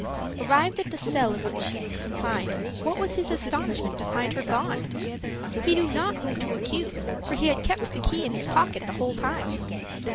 Arrived at the cell in which she was confined, what was his astonishment to find her gone! He knew not whom to accuse, for he had kept the key in his pocket the whole time.